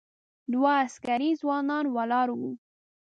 دوه عسکري ځوانان ولاړ و.